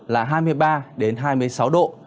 là hai mươi ba hai mươi sáu độ